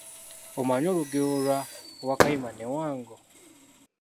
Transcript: Omanyi olugero lwa "Wakayima ne Wango?"